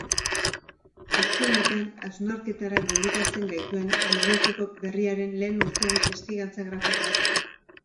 Azken batean, hausnarketara gonbidatzen gaituen milurteko berriaren lehen urteen testigantza grafikoa da.